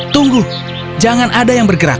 tunggu jangan ada yang bergerak